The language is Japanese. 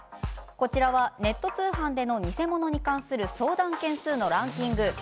こちらは、ネット通販での偽物に関する相談件数のランキング。